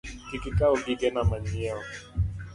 Kik ikaw gigena manyiewo